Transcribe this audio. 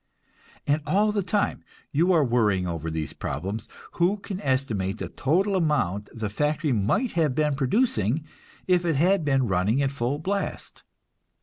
And all the time you are worrying over these problems, who can estimate the total amount the factory might have been producing if it had been running at full blast?